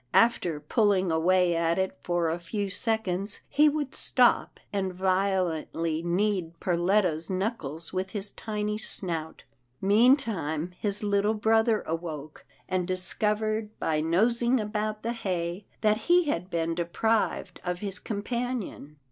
After pulHng away at it for a few seconds, he would stop, and vio lently knead Perletta's knuckles with his tiny snout. Meantime his little brother awoke, and discovered by nosing about the hay that he had been deprived of his companion.